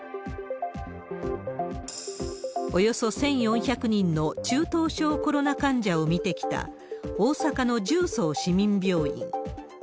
およそ１４００人の中等症コロナ患者を診てきた、大阪の十三市民病院。